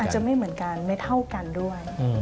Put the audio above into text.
จะไม่เหมือนกันไม่เท่ากันด้วย